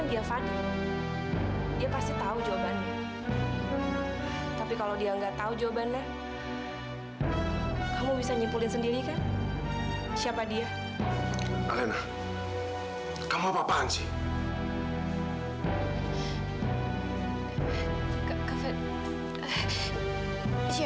itu kan kak mila